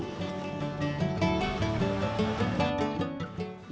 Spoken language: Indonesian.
termasuk diantaranya para perajin bambu